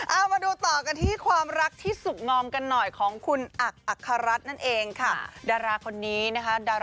เอามาดูต่อกันที่ความรักที่สุขงอมกันหน่อยของคุณอั๊กอัฮารัสนักการ์ด